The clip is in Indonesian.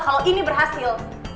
kalau ini berhasil